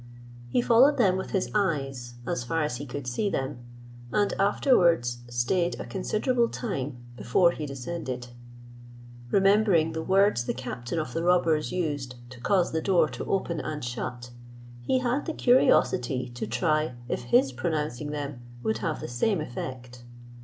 He followed them with his eyes as far as he could see them; and afterwards stayed a considerable time before he descended. Remembering the words the captain of the robbers used to cause the door to open and shut, he had the curiosity to try if his pronouncing them would have the same effect.